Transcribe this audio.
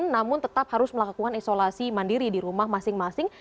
namun tetap harus melakukan isolasi mandiri di rumah masing masing